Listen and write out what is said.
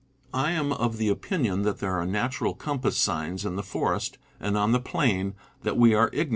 I am of the opinion that there are natural compass signs in the forest, and on the plain, that we are igno _